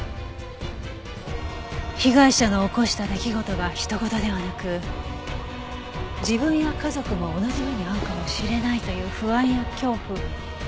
被害者の起こした出来事が人ごとではなく自分や家族も同じ目に遭うかもしれないという不安や恐怖。